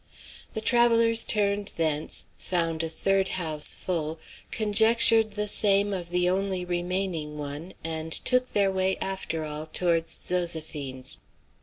The travellers turned thence, found a third house full, conjectured the same of the only remaining one, and took their way, after all, towards Zoséphine's.